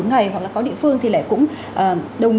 một mươi bốn ngày hoặc là có địa phương thì lại cũng